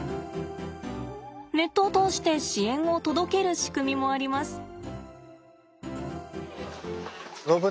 ネットを通して支援を届ける仕組みもあります。